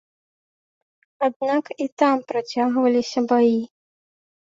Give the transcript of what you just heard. Аднак і там працягваліся баі.